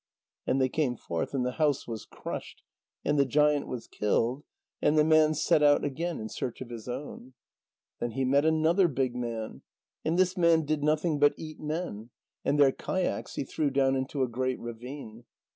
And they came forth, and the house was crushed and the giant was killed, and the man set out again in search of his own. Then he met another big man, and this man did nothing but eat men, and their kayaks he threw down into a great ravine.